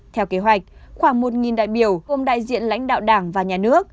theo kế hoạch khoảng một đại biểu gồm đại diện lãnh đạo đảng và nhà nước